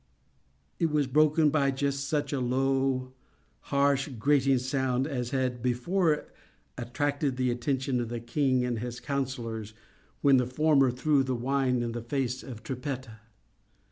It was broken by just such a low, harsh, grating sound, as had before attracted the attention of the king and his councillors when the former threw the wine in the face of Trippetta.